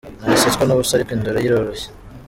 Ntasetswa n’ubusa, ariko indoro ye iroroshye.